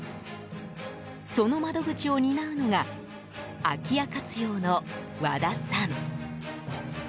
その窓口を担うのが空き家活用の和田さん。